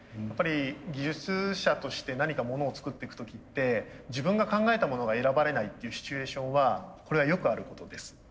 やっぱり技術者として何か物を作っていく時って自分が考えたものが選ばれないっていうシチュエーションはこれはよくあることです。